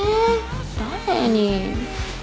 誰に。